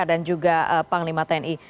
dan juga panglima tni